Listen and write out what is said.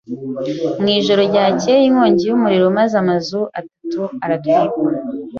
Mu ijoro ryakeye inkongi y'umuriro maze amazu atatu aratwikwa.